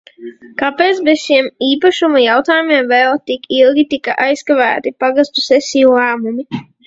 Kāpēc bez šiem īpašuma jautājumiem vēl tik ilgi tika aizkavēti pagastu sesiju lēmumi?